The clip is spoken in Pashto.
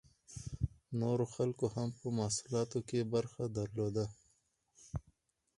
نورو خلکو هم په محصولاتو کې برخه درلوده.